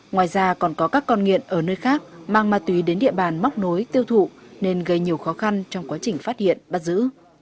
ngoài ra còn có các con nghiện ở nơi khác mang ma túy đến địa bàn móc nối tiêu thụ nên gây nhiều khó khăn trong quá trình phát hiện bắt giữ